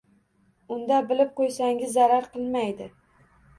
Unda bilib qoʻysangiz zarar qilmaydi.